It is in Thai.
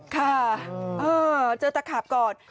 ค่ะเออเจอตะขับก่อน